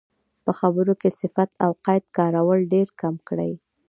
په خبرو کې صفت او قید کارول ډېرکم کړئ.